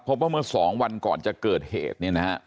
พบว่าเมื่อ๒วันก่อนจะเกิดเหตุ